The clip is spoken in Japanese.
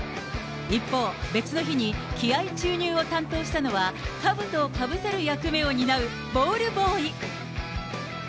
一方、別の日に気合い注入を担当したのは、かぶとをかぶせる役目を担うボールボーイ。